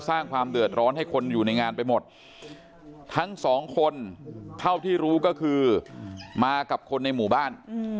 สร้างความเดือดร้อนให้คนอยู่ในงานไปหมดทั้งสองคนเท่าที่รู้ก็คือมากับคนในหมู่บ้าน